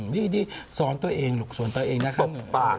นี่สอนตัวเองลูกสอนตัวเองนะครับ